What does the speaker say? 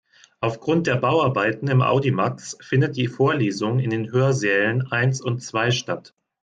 Aufgrund der Bauarbeiten im Audimax findet die Vorlesung in den Hörsälen eins und zwei statt.